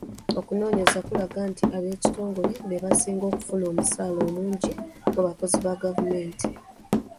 Okunoonyereza kulaga nti ab'ekitongole be basinga okufuna omusaala omungi mu bakozi ba gavumenti.